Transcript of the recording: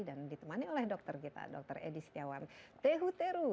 dan ditemani oleh dokter kita dokter edi setiawan tehuteru